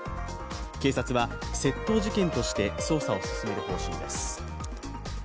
警察は窃盗事件として捜査を進める方針です。